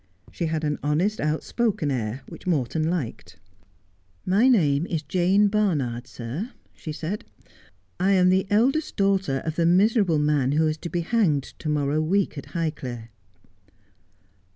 She had an honest, outspoken air which Morton liked. 88 Just as I Am. ' My name is Jane Barnard, sir,' said she. ' I am the eldest daughter of the miserable man who is to be hanged to morrow week at Highclere.'